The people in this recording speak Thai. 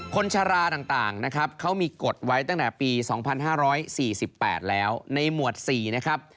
ชาราต่างนะครับเขามีกฎไว้ตั้งแต่ปี๒๕๔๘แล้วในหมวด๔นะครับ